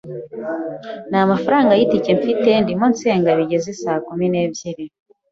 nta mafaranga y’itike mfite, ndimo nsenga bigeze sa kumi n’ebyiri ,